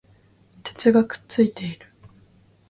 鉄がくっついている